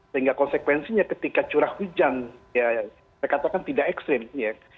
sehingga konsekuensinya ketika curah hujan ya saya katakan tidak ekstrim ya